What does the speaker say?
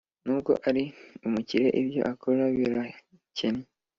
nubwo ari umukire ibyo akora birakennye